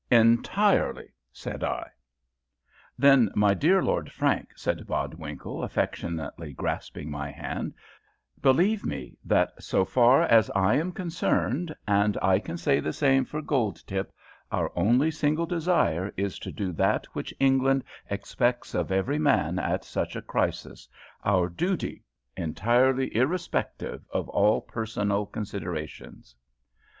"Entirely," said I. "Then, my dear Lord Frank," said Bodwinkle, affectionately grasping my hand, "believe me, that so far as I am concerned, and I can say the same for Goldtip, our only single desire is to do that which England expects of every man at such a crisis, our duty, entirely irrespective of all personal considerations."